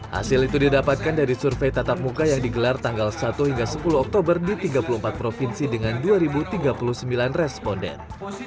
hasil itu didapatkan dari survei tatap muka yang digelar tanggal satu hingga sepuluh oktober di tiga puluh empat provinsi dengan dua tiga puluh sembilan responden